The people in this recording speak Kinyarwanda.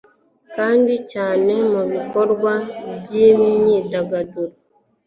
kandi cyane mubikorwa byimyidagaduro